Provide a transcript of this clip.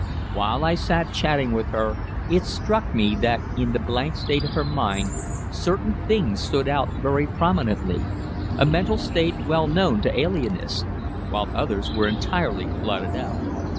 While I sat chatting with her it struck me that in the blank state of her mind certain things stood out very prominently a mental state well known to alienists while others were entirely blotted out.